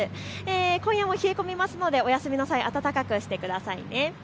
今夜も冷え込みますのでお休みの際、暖かくしてください。